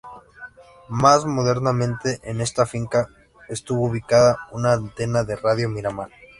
Más modernamente, en esta finca estuvo ubicada una antena de Radio Miramar.